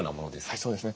はいそうですね。